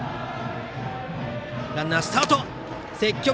ランナースタート。